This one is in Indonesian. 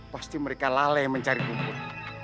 pasti mereka laleh mencari kubur